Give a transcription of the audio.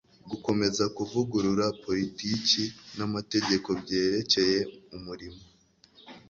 gukomeza kuvugurura politiki n'amategeko byerekeye umurimo